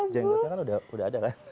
zenggotnya udah ada kan